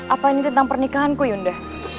apa ini tentang pernikahanku yunda